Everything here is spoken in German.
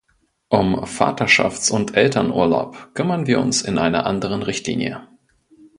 Um Vaterschafts- und Elternurlaub kümmern wir uns in einer anderen Richtlinie.